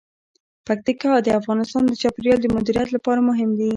پکتیکا د افغانستان د چاپیریال د مدیریت لپاره مهم دي.